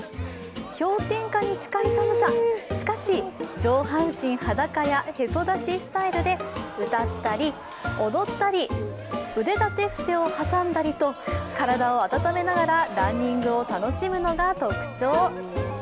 氷点下に近い寒さ、しかし、上半身裸やヘソ出しスタイルで歌ったり踊ったり、腕立て伏せを挟んだりと体を暖めながらランニングを楽しむのが特徴。